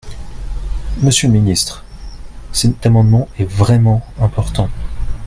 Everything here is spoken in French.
Monsieur le ministre, cet amendement est vraiment important.